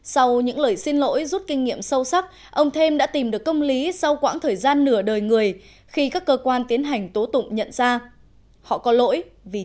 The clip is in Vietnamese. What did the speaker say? sau những lời xin lỗi rút kinh nghiệm sâu sắc ông thêm đã tìm được công lý sau quãng thời gian nửa đời người khi các cơ quan tiến hành tố tụng nhận ra họ lỗi